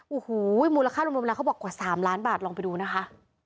โอ้โหมูลค่ารวมแล้วเขาบอกกว่า๓ล้านบาทลองไปดูนะคะ